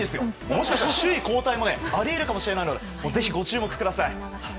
もしかしたら首位交代もあり得るかもしれないのでぜひ、ご注目ください！